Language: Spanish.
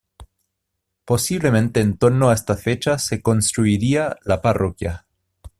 Posiblemente en torno a esta fecha se construiría la parroquia.